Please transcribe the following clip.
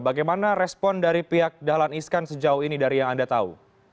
bagaimana respon dari pihak dahlan iskan sejauh ini dari yang anda tahu